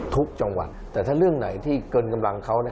ทุกจังหวัดแต่ถ้าเรื่องไหนที่เกินกำลังเขา